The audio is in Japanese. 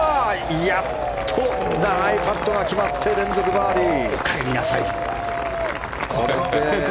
やっとパットが決まって連続バーディー！